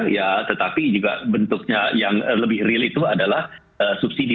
ya tetapi juga bentuknya yang lebih real itu adalah subsidi